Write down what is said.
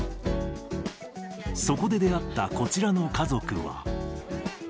そこで出会ったこちらの家族は。